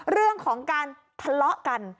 เรื่องของการทะเลาะกัน